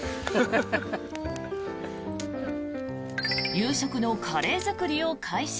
夕食のカレー作りを開始。